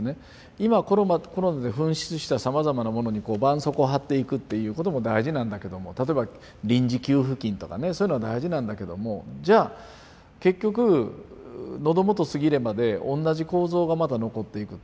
今コロナで噴出したさまざまなものにこう絆創膏を貼っていくっていうことも大事なんだけども例えば臨時給付金とかねそういうのは大事なんだけどもじゃあ結局「喉元過ぎれば」で同じ構造がまた残っていくと。